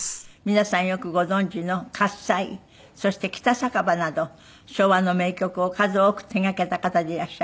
皆さんよくご存じの『喝采』そして『北酒場』など昭和の名曲を数多く手がけた方でいらっしゃいました。